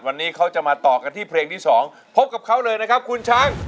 วันนี้เขาจะมาต่อกันที่เพลงที่๒พบกับเขาเลยนะครับคุณช้าง